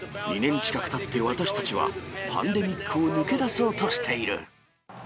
２年近くたって、私たちはパンデミックを抜け出そうとしている。